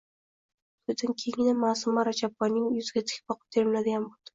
Toʼydan keyingina Maʼsuma Rajabboyning yuziga tik boqib termiladigan boʼldi.